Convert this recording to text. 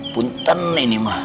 punten ini mah